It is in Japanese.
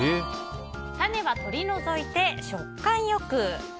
種は取り除いて食感よく！